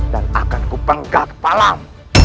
dan akan ku penggak palam